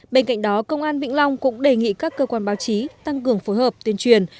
bên cạnh đó công an vĩnh long cũng đề nghị các cơ quan báo chí tăng cường phối hợp tuyên truyền